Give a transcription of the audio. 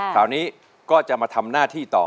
คราวนี้ก็จะมาทำหน้าที่ต่อ